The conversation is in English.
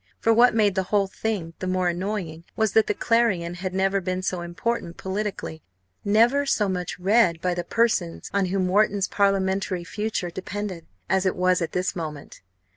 For what made the whole thing the more annoying was that the Clarion had never been so important politically, never so much read by the persons on whom Wharton's parliamentary future depended, as it was at this moment.